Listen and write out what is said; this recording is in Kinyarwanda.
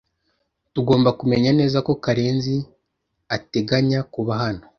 Tugomba kumenya neza ko Karenzi ateganya kuba hano.